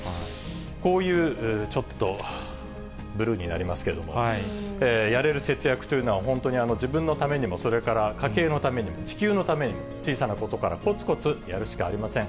こういうちょっと、ブルーになりますけれども、やれる節約というのは、本当に自分のためにも、それから家計のためにも、地球のためにも、小さなことからこつこつやるしかありません。